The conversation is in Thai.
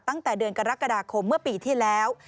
ตั้งแต่เดือนกรกฎาคมเมื่อปีที่แล้ว